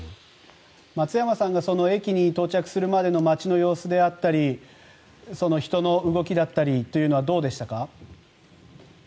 松山さんが駅に到着するまでの街の様子だったり人の動きであったりというのはどうでしたか？